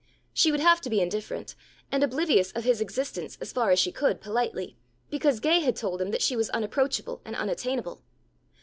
She would have to be indifferent, and oblivious of his existence as far as she could politely, because Gay had told him that she was unapproachable and unattainable.